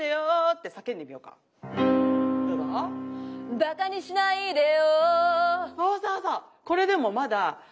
「馬鹿にしないでよ」。